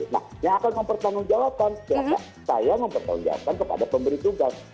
nah yang akan mempertanggung jawaban saya mempertanggung jawaban kepada pemberi tugas